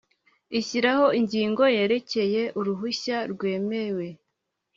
ishyiraho ingingo yerekeye uruhushya rwemewe